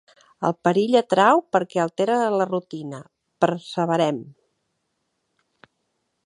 El perill atrau perquè altera la rutina. Perseverem.